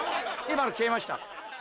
今の消えました。